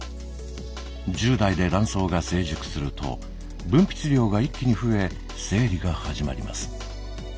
１０代で卵巣が成熟すると分泌量が一気に増え生理が始まります。